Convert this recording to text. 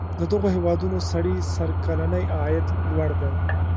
د دغو هیوادونو سړي سر کلنی عاید لوړ دی.